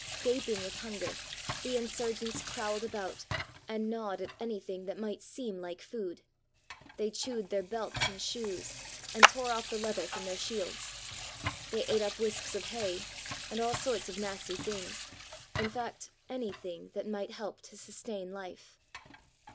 Gaping with hunger, the insurgents prowled about, and gnawed at anything that might seem like food. They chewed their belts and shoes, and tore off the leather from their shields. They ate up wisps of hay, and all sorts of nasty things, — in fact, anything that might help to sustain hfe.